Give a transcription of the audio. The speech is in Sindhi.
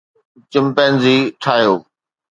چمپينزي ٺاهيو